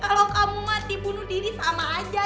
kalau kamu mati bunuh diri sama aja